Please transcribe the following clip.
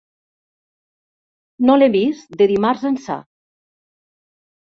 No l'he vist de dimarts ençà.